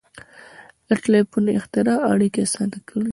• د ټیلیفون اختراع اړیکې آسانه کړې.